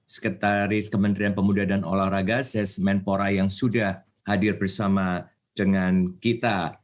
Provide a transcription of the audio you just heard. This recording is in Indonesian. sekretaris kementerian pemuda dan olahraga sesmenpora yang sudah hadir bersama dengan kita